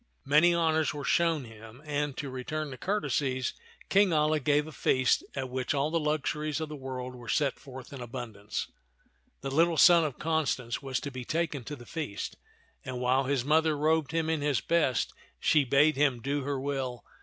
Many honors were shown him, and to return the courtesies King Alia gave a feast at which all the luxuries of all the world were set forth in abundance. The little son of Constance was to be taken to the feast, and while his mother robed him in his best, she bade him do her will.